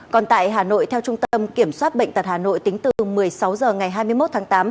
còn tại hà nội theo trung tâm kiểm soát bệnh tật hà nội tính từ một mươi sáu h ngày hai mươi một tháng tám